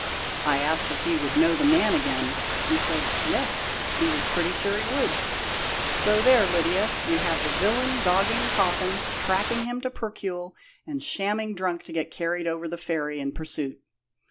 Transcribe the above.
I asked if he would know the man again. He said, 'Yes,' he was pretty sure he would. So there, Lydia, you have the villain dogging Coffin, tracking him to Percuil, and shamming drunk to get carried over the ferry in pursuit.